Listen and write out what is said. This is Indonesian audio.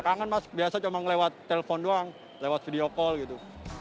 kangen mas biasa cuma lewat telepon doang lewat video call gitu